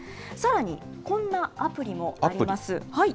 さらに、こんなアプリもあります。